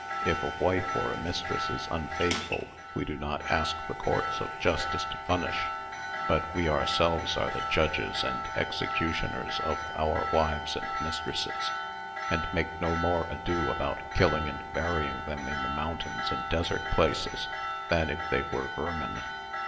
If a wife or a mistress is unfaithful, we do not go ask the courts of justice to punish; but we ourselves are the judges and executioners of our wives and mistresses, and make no more ado about killing and burying them in the mountains and desert places than if they were vermin.